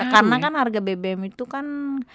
karena kan harga bbm itu kan